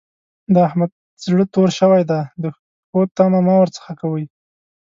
د احمد زړه تور شوی دی؛ د ښو تمه مه ور څځه کوئ.